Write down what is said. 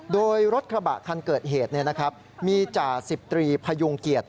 โดยรถกระบะคันเกิดเหตุมีจ่าสิบตรีพยุงเกียรติ